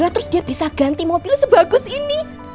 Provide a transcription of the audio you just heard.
terus dia bisa ganti mobil sebagus ini